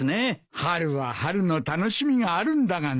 春は春の楽しみがあるんだがな。